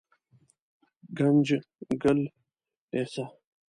ګنجګل لېسه